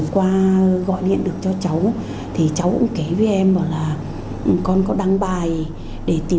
qua gọi điện được cho cháu cháu cũng kể với em là con có đăng bài